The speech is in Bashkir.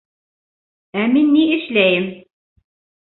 Ә мин ни эшләйем?